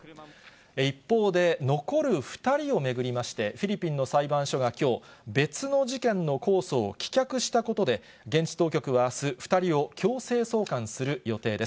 一方で、残る２人を巡りまして、フィリピンの裁判所がきょう、別の事件の控訴を棄却したことで、現地当局はあす、２人を強制送還する予定です。